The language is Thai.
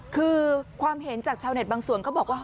คือความเห็นจากชาวเน็ตบางส่วนเขาบอกว่า